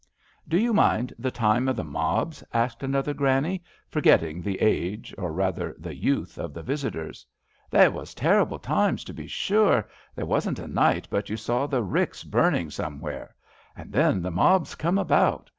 " Do you mind the time o* the mobs ?" asked another Granny, forgetting the age or rather the youth of the visitor. "They was terrible times to be sure. There wasn't a night but you saw the ricks burning some where. And then the mobs come about.